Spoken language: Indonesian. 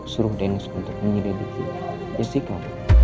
suruh dennis untuk menyediakan jessica